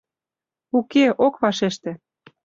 Уке, ок вашеште...